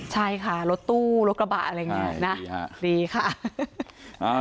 ใช่ค่ะรถตู้รถกระบะอะไรอย่างนี้นะดีค่ะ